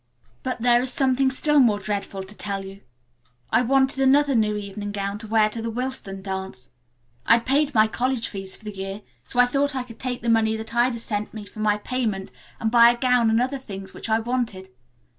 "But there is something still more dreadful to tell you. I wanted another new evening gown to wear to the Willston dance. I had paid my college fees for the year, so I thought I could take the money that Ida sent me for my payment and buy a gown and other things which I wanted.